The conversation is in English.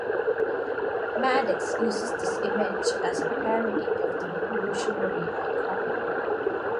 Maddox uses this image as a parody of the revolutionary icon.